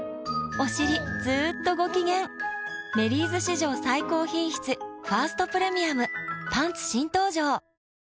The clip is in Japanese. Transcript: おしりずっとご機嫌「メリーズ」史上最高品質「ファーストプレミアム」パンツ新登場！